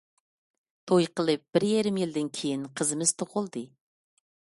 توي قىلىپ بىر يېرىم يىلدىن كېيىن قىزىمىز تۇغۇلدى.